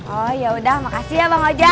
oh yaudah makasih ya bang ojek